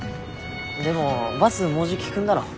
でもバスもうじき来んだろ。